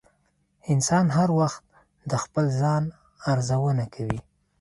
انسان هر وخت د خپل ځان ارزونه کوي.